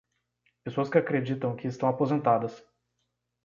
Pessoas que acreditam que estão aposentadas.